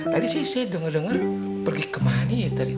tadi saya denger denger pergi ke mana ya tadi